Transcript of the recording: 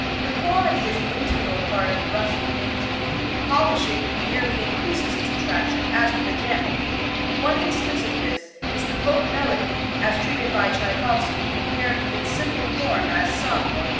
The quality is an integral part of Russian nature; polishing merely increases its attraction as with a gem. One instance of this is the folk melody as treated by Tschaikowsky compared with its simple form as sung or danced by the peasant.